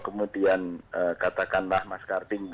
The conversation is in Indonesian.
kemudian katakanlah mas karning